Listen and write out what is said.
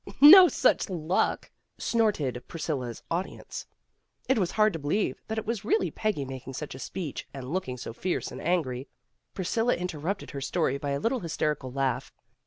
"No such luck," snorted Priscilla 's audience. It was hard to believe that it was really Peggy DELIVERANCE 239 making such a speech and looking so fierce and angry. Priscilla interrupted her story by a little hysterical laugh.